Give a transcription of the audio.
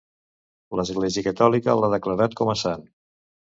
L'Església Catòlica l'ha declarat com a sant.